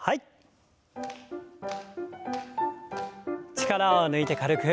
力を抜いて軽く。